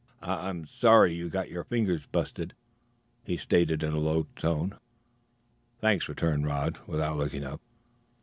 "I'm sus sorry you got your fingers busted," he stated in a low tone. "Thanks," returned Rod, without looking up.